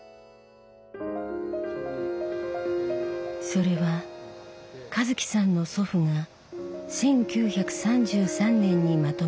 それは和樹さんの祖父が１９３３年にまとめた草木染の本です。